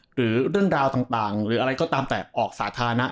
หรือเรื่องราวต่างหรืออะไรก็ตามแต่ออกสาธารณะ